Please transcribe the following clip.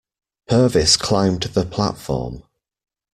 Purvis climbed the platform.